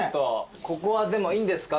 ここはでもいいんですか？